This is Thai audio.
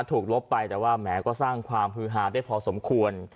ลบไปแต่ว่าแหมก็สร้างความฮือฮาได้พอสมควร